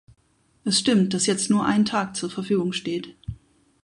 Es stimmt, dass jetzt nur ein Tag zur Verfügung steht.